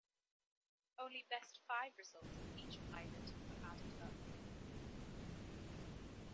Only best five results of each pilot were added up.